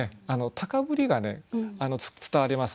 高ぶりが伝わります。